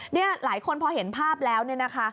นี่หลายคนพอเห็นภาพแล้วเนี่ยนะคะ